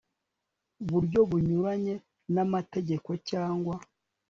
buryo bunyuranye n amategeko cyangwa